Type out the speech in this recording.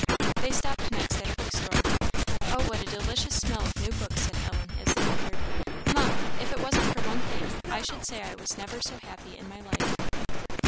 They stopped next at a book store. "Oh, what a delicious smell of new books!" said Ellen, as they entered. "Mamma, if it wasn't for one thing, I should say I never was so happy in my life."